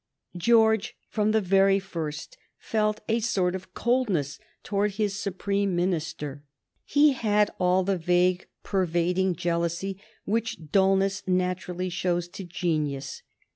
George, from the very first, felt a sort of coldness towards his superb Minister. He had all the vague pervading jealousy which dulness naturally shows to genius.